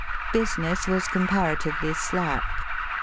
Business was comparatively slack.